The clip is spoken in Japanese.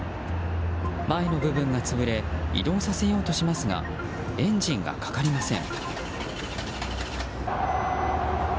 前の部分が潰れ移動させようとしますがエンジンがかかりません。